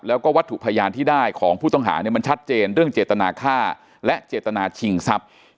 แล้วก็วัตถุพยานที่ได้ของผู้ต้องหาเนี่ยมันชัดเจนเรื่องเจตนาค่าและเจตนาชิงทรัพย์